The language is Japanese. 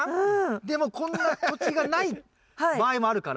でもこんな土地がない場合もあるから。